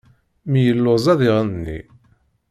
Mi yelluẓ ad iɣenni.